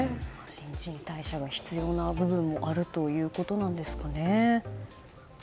新陳代謝が必要な部分があるということなんですね。